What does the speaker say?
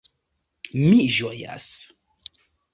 Mi ĝojas!